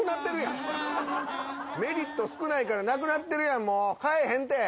メリット少ないからなくなってるやん替えへんって！